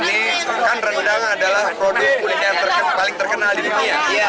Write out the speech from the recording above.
di notabene kan rendang adalah produk kulit yang paling terkenal di dunia